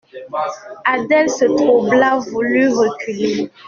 Adèle se troubla, voulut reculer.